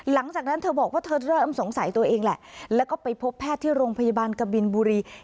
หลังจากนั้นเธอบอกว่าเธอเริ่มสงสัยตัวเองแหละแล้วก็ไปพบแพทย์ที่โรงพยาบาลกบินบุรี